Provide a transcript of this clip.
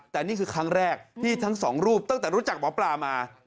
แต่นี่คือครั้งแรกที่ทั้งสองรูปตั้งแต่รู้จักหมอปลามา